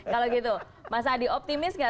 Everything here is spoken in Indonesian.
kalau gitu mas adi optimis gak